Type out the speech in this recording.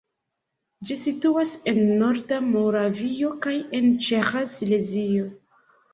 Ĝi situas en norda Moravio kaj en ĉeĥa Silezio.